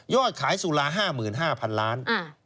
ขายสุรา๕๕๐๐๐ล้าน